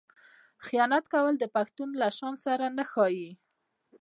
خیانت کول د پښتون له شان سره نه ښايي.